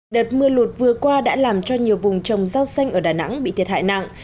đợt mưa lụt vừa qua đã làm cho nhiều vùng trồng rau xanh ở đà nẵng bị thiệt hại nặng